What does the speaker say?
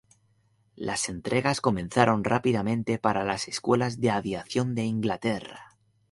Las entregas comenzaron rápidamente para las escuelas de aviación de Inglaterra.